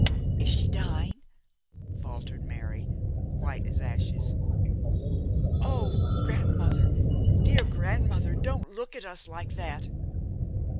'Is she dying?' faltered Mary, white as ashes. 'Oh, grandmother, dear grandmother, don't look at us like that!'